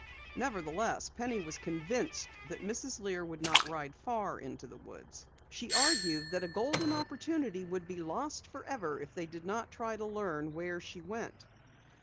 Nevertheless, Penny was convinced that Mrs. Lear would not ride far into the woods. She argued that a golden opportunity would be lost forever if they did not try to learn where she went.